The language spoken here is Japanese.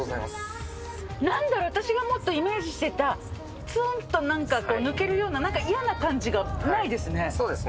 なんだろう、私がもっとイメージしてた、つんと、なんか抜けるような、そうですね。